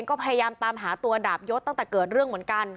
ก็พยายามตามหาตัวดาบยศตั้งแต่เกิดเรื่องเหมือนกัน